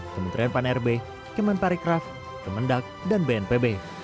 kementerian pan rb kemen parikraf kemendak dan bnpb